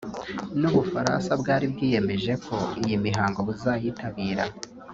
n’Ubufaransa bwari bwiyemeje ko iyi mihango buzayitabira